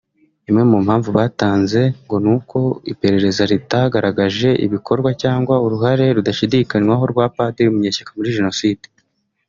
Imwe mu mpamvu batanze ngo ni uko iperereza ritagaragaje ibikorwa cyangwa uruhare rudashidikanywaho rwa Padiri Munyeshyaka muri Jenoside